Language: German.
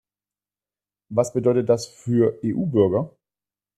Was bedeutet das für EU-Bürger?